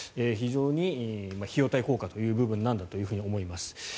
非常に費用対効果という部分なんだと思います。